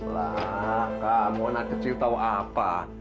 lah kamu anak kecil tahu apa